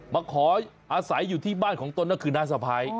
มาขออาศัยอยู่ที่บ้านของตนก็คือน้าสะพ้าย